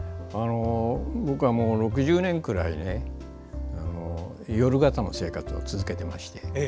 僕は６０年くらい夜型の生活を続けてまして。